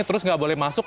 terus nggak boleh masuk